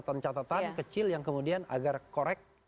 catatan catatan kecil yang kemudian agar korek